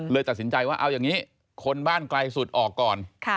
เลยตัดสินใจว่าเอาอย่างนี้คนบ้านไกลสุดออกก่อน